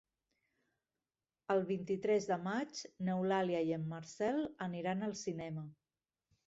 El vint-i-tres de maig n'Eulàlia i en Marcel aniran al cinema.